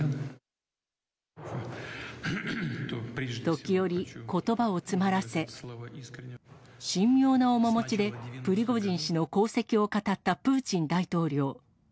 時折、ことばを詰まらせ、神妙な面持ちでプリゴジン氏の功績を語ったプーチン大統領。